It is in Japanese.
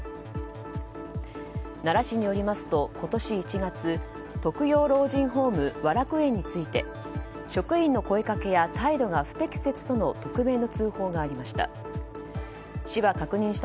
奈良市によりますと今年１月、特養老人ホーム和楽園について職員の声掛けや態度が不適切との匿名の通報がありました。